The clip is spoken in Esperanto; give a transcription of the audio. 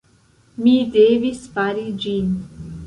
Mi devis fari ĝin.